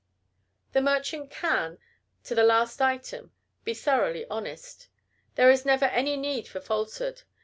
A merchant can, to the last item, be thoroughly honest. There is never any need of falsehood.